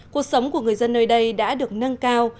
cuộc sống của người dân nơi đây đã được nâng cao